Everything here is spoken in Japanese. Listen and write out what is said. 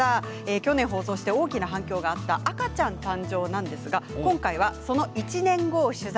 去年、放送して大きな反響があった赤ちゃん誕生なんですが今日はその１年後を取材。